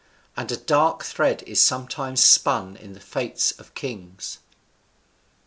And a dark thread is sometimes spun in the fates of kings."